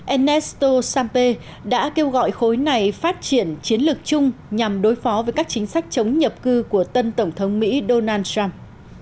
enesto sampe đã kêu gọi khối này phát triển chiến lược chung nhằm đối phó với các chính sách chống nhập cư của tân tổng thống mỹ donald trump